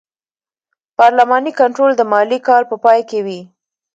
پارلماني کنټرول د مالي کال په پای کې وي.